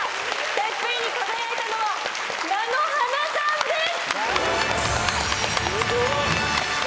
ＴＥＰＰＥＮに輝いたのはなのはなさんです。